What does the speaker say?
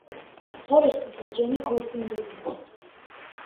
ფორესტი და ჯენი ქორწინდებიან.